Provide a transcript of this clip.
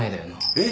えっ。